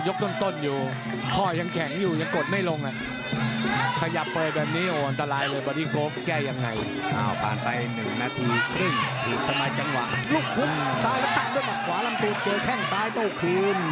ลุกหุบซ้ายมาตั้งด้วยมัดขวาลำตืดเจอแข้งซ้ายโต้คืน